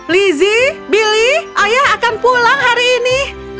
lizzie billy ayah akan pulang hari ini